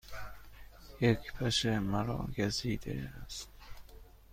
یک پشه مرا گزیده است.